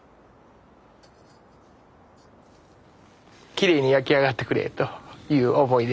きれいに焼き上がってくれという思いで。